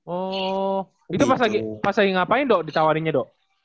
oh itu pas lagi ngapain dok ditawarinnya dok